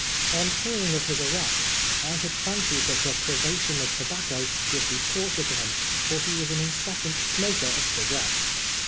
On hearing of his arrest, I had fancied that the privation of tobacco would be torture to him, for he was an incessant smoker of cigarettes.